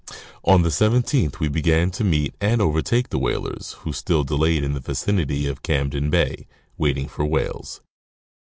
On the 17th we began to meet and overtake the whalers, who still delayed in the vicinity of Camden bay, waiting for whales.